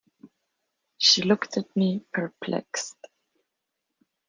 She looked at me, perplexed.